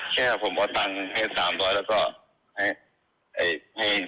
แค่ผมเอาตังค์ให้สามร้อยแล้วก็ให้ไฟเร็วที่สุด